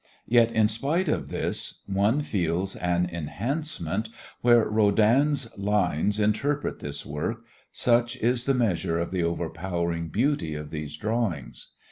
Yet in spite of this one feels an enhancement where Rodin's lines interpret this work, such is the measure of the overpowering beauty of these drawings.